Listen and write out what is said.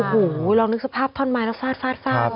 โอ้โหลองนึกสภาพท่อนมาแล้วฟาด